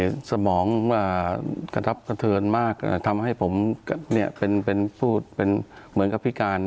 ก็สมองกระทับกระเทินมากทำให้ผมเป็นภูตเร่งเหมือนกับพี่กาล